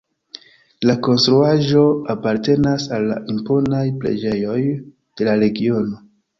La konstruaĵo apartenas al la imponaj preĝejoj de la regiono.